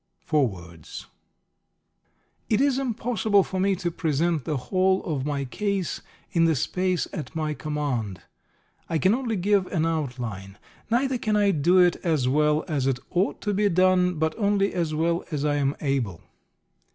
FOREWORDS It is impossible for me to present the whole of my case in the space at my command; I can only give an outline. Neither can I do it as well as it ought to be done, but only as well as I am able.